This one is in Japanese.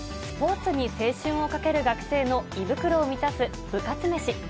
スポーツに青春をかける学生の胃袋を満たす部活めし。